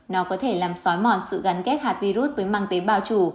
nó có thể làm xói mòn sự gắn kết hạt virus với măng tế bào chủ